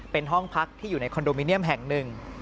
เป็นห้องพักที่อยู่ในคอนโดมิเนียมแห่งหนึ่ง